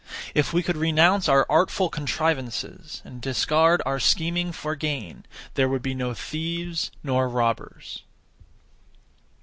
If we could renounce our artful contrivances and discard our (scheming for) gain, there would be no thieves nor robbers.